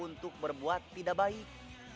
untuk berbuat tidak baik